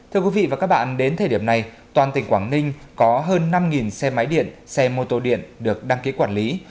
thưa quý vị và các bạn đến thời điểm này toàn tỉnh quảng ninh có hơn năm xe máy điện xe mô tô điện được đăng ký quản lý